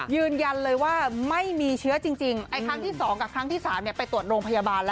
ยืนยันเลยว่าไม่มีเชื้อจริงไอ้ครั้งที่๒กับครั้งที่๓ไปตรวจโรงพยาบาลแล้ว